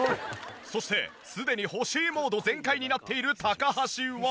そしてすでに欲しいモード全開になっている高橋は。